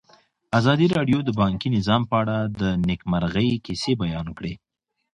ازادي راډیو د بانکي نظام په اړه د نېکمرغۍ کیسې بیان کړې.